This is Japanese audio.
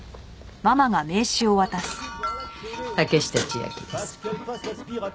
竹下千晶です。